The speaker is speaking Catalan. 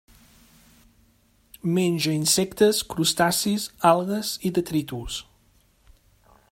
Menja insectes, crustacis, algues i detritus.